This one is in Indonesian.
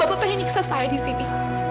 bapak pengen iksa saya di sini